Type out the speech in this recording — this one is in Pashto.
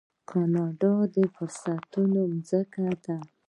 کاناډا د فرصتونو ځمکه ده.